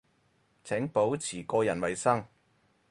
請保持個人衛生